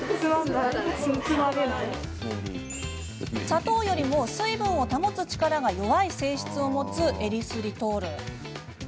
砂糖よりも水分を保つ力が弱い性質を持つエリスリトール。